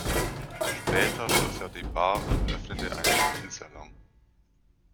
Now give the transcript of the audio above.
Später schloss er die Bar und öffnete einen Spielsalon.